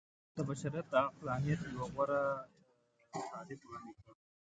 د بشريت د عقلانيت يو غوره تعريف وړاندې کړ.